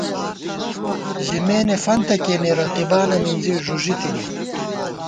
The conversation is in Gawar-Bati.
ژِمېنے فنتہ کېنے رقیبانہ مِنزی ݫُݫِی تِبہ